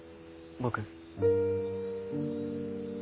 僕。